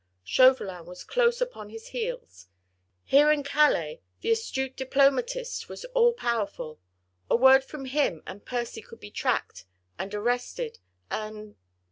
Chauvelin was close upon his heels; here in Calais, the astute diplomatist was all powerful; a word from him and Percy could be tracked and arrested and